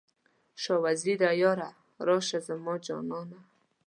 شاه وزیره یاره، راشه زما جانه؟